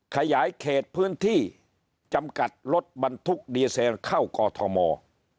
ขยายเขตพื้นที่จำกัดรถบรรทุกดีเซลเข้ากอทม